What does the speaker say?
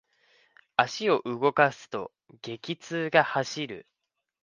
足を動かすと、激痛が走る。